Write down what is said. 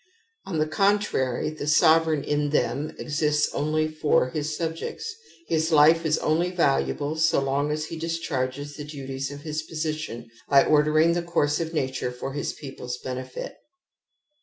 On the contrary, the sovereign in them exists only for his subjects : his life is only valuable so long as he discharges the duties of his position by ordering the course of nature for his people's benefit.